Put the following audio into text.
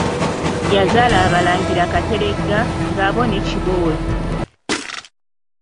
Yazaala Abalangira Kateregga, Ngabo ne Kibooli.